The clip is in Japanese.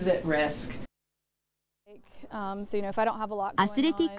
アスレティック